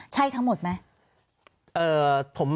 ใช่ทั้งหมดไหม